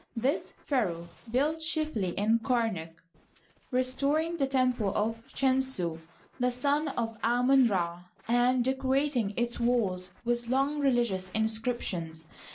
This pharaoh built chiefly in KamaJc, restoring the temple of Chunsu (the son of Amon Ra) and deco rating its walls with long religious inscriptions.